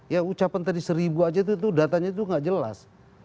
ya ucapan tadi seribu aja itu datanya itu nggak jelas